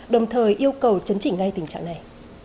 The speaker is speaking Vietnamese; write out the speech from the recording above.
đồng thời yêu cầu chấn chỉnh ngay tình trạng này